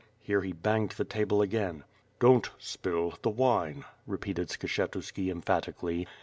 '' Here he banged the table again. "Don't spill the wine," repeated Skshetuski emphatically.